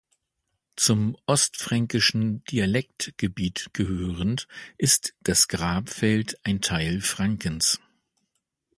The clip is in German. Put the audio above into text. Zum ostfränkischen Dialektgebiet gehörend, ist das Grabfeld ein Teil Frankens.